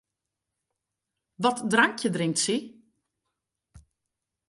Wat drankje drinkt sy?